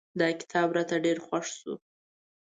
دا کتاب راته ډېر خوښ شو.